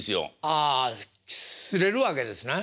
ああ擦れるわけですね。